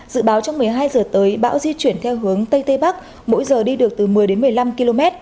dự báo trong một mươi hai h tới bão di chuyển theo hướng tây tây bắc mỗi giờ đi được từ một mươi đến một mươi năm km